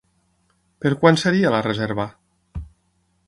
Per quan seria la reserva?